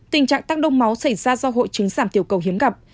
tình trạng tắc đông máu xảy ra do hội chứng giảm tiểu cầu hiếm gặp